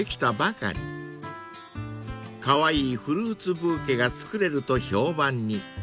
［カワイイフルーツブーケが作れると評判に］